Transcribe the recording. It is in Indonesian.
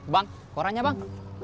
bang korannya bang